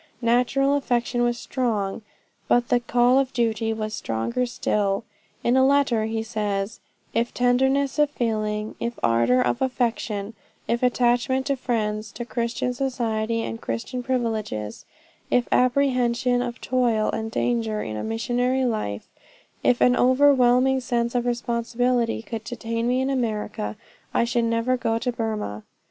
Natural affection was strong, but the call of duty was stronger still. In a letter he says, "If tenderness of feeling if ardor of affection if attachment to friends, to Christian society and Christian privileges if apprehension of toil and danger in a missionary life if an overwhelming sense of responsibility could detain me in America, I should never go to Burmah."